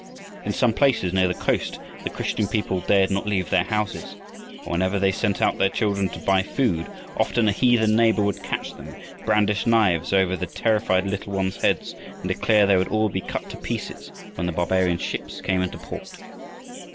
In some places near the coast the Christian people dared not leave their houses, and whenever they sent out their children to buy food, often a heathen neighbor would catch them, brandish knives over the terrified little ones' heads and declare they would all be cut to pieces when the barbarian ships came into port.